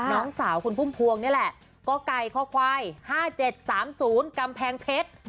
น้องสาวคุณพุ่มพวงนี่แหละกไก่คควาย๕๗๓๐กำแพงเพชร